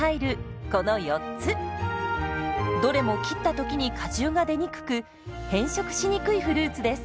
どれも切った時に果汁が出にくく変色しにくいフルーツです。